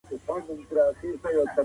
خپل زحمت رنګ راوړي.